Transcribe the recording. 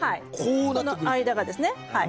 この間がですねはい。